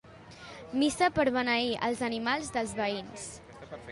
Missa per beneir els animals dels veïns.